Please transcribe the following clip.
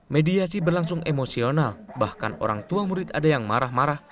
mediasi berlangsung emosional bahkan orang tua murid ada yang marah marah